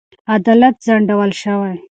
عدالت ځنډول شوی.